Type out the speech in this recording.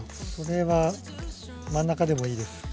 これは真ん中でもいいです。